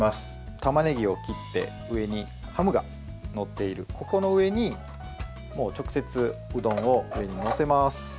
たまねぎを切って上にハムが載っているここの上に直接うどんを上に載せます。